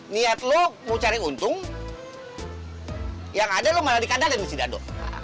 niat lu mau cari untung yang ada lu malah dikadangin si dadu